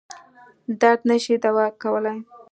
درد نه شي دوا کولای.